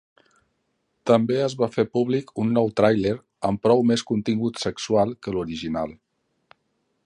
També es va fer públic un nou tràiler, amb prou més contingut sexual que l'original.